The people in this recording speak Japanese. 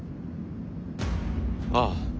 ああ。